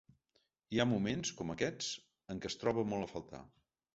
I hi ha moments –com aquests– en què es troba molt a faltar.